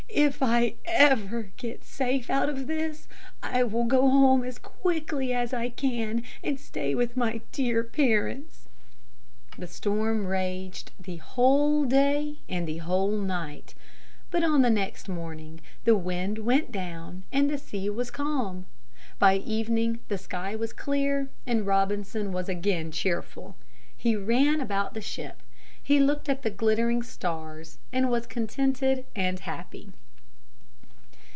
"If I ever get safe out of this, I will go home as quickly as I can and stay with my dear parents!" The storm raged the whole day and the whole night. But on the next morning the wind went down and the sea was calm. By evening the sky was clear and Robinson was again cheerful. He ran about the ship. He looked at the glittering stars and was contented and happy.